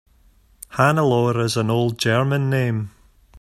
Hannelore is an old German name.